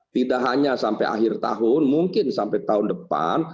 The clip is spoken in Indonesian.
tidak hanya sampai akhir tahun mungkin sampai tahun depan